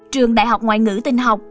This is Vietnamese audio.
trường đại học ngoại ngữ tinh học